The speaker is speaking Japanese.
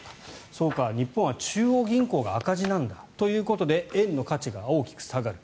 そうか、日本は中央銀行が赤字なんだということで円の価値が大きく下がる。